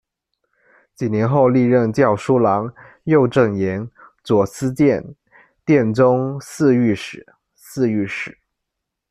几年后历任校书郎、右正言、左司谏、殿中侍御史、侍御史。